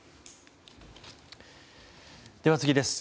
では次です。